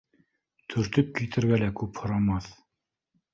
Төртөп китергә лә күп һорамаҫ